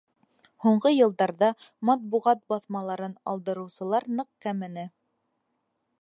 Һуңғы йылдарҙа матбуғат баҫмаларын алдырыусылар ныҡ кәмене.